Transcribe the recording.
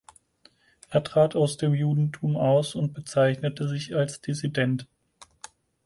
Er trat aus dem Judentum aus und bezeichnete sich als „Dissident“.